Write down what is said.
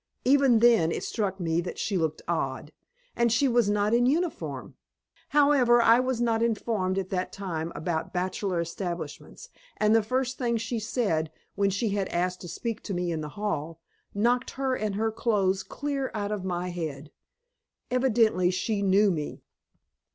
Even then it struck me that she looked odd, and she was not in uniform. However, I was not informed at that time about bachelor establishments, and the first thing she said, when she had asked to speak to me in the hall, knocked her and her clothes clear out of my head. Evidently she knew me.